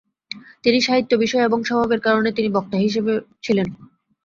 তিনি সাহিত্য বিষয় এবং স্বভাবের কারণে তিনি বক্তা হিসাবে ছিলেন।